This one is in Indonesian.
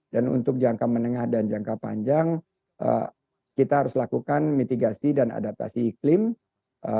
dan untuk jangka menengah dan jangka panjang kita harus lakukan mitigasi dan adaptasi iklim dan pengawasan ketat untuk standar emisi